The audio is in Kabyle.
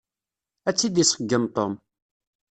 Ad tt-iṣeggem Tom.